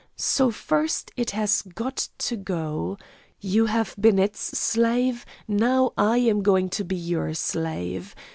So first it has got to go. You have been its slave, now I am going to be your slave.